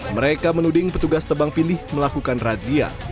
mereka menuding petugas tebang pilih melakukan razia